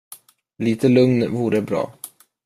Lite lugn vore bra.